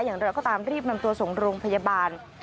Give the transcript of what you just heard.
อย่างไรก็ตามรีบนำตัวส่งโรงพยาบาล